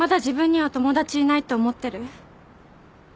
自分には友達いないと思ってる？